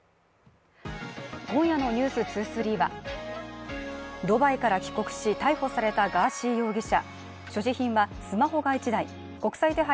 今夜の「ｎｅｗｓ２３」はドバイから帰国し逮捕されたガーシー容疑者。